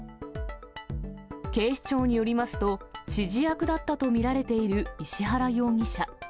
警視庁によりますと、指示役だったと見られている石原容疑者。